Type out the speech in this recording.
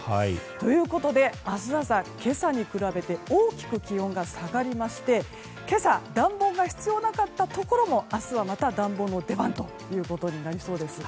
ということで明日朝、今朝に比べて大きく気温が下がりまして今朝、暖房が必要なかったところも明日はまた暖房の出番となりそうです。